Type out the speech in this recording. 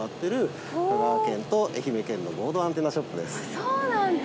そうなんだ。